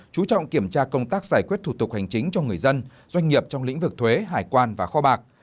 chú trọng kiểm tra công tác giải quyết thủ tục hành chính cho người dân doanh nghiệp trong lĩnh vực thuế hải quan và kho bạc